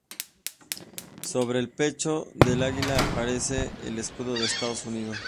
Sobre el pecho del águila aparece el escudo de los Estados Unidos.